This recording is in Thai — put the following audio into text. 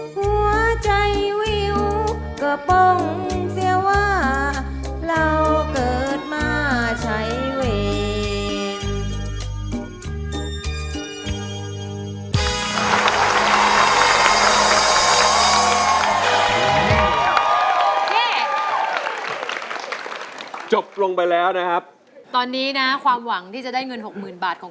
หัวใจวิวก็ป้องเสียว่า